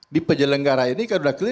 di penyelenggara ini karena udah clear